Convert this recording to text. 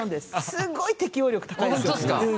すごい適応力高いですよね。